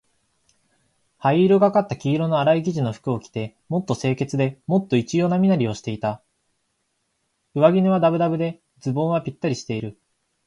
灰色がかった黄色のあらい生地の服を着て、もっと清潔で、もっと一様な身なりをしていた。上衣はだぶだぶで、ズボンはぴったりしている。